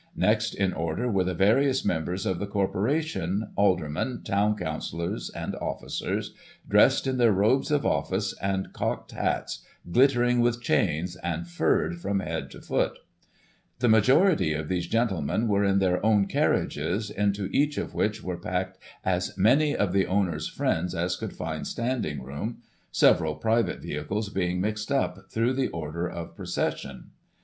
Next in order were the various members of the Corporation, aldermen, town councillors, and officers, dressed in their robes of office and Digiti ized by Google 1844] TOM THUMB. 235 cocked hats, glittering with chains, and furred from head to foot The majority of these gentlemen were in their own carriages, into each of which were packed as many of the owner's friends as could find standing room, several private vehicles being mixed up through the order of procession.